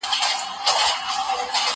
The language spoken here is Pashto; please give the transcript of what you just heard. زه اوږده وخت واښه راوړم وم،